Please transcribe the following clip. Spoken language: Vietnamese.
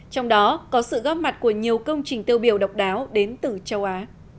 trong đó có sự góp mặt của nhiều công trình tiêu biểu độc đáo đến từ châu á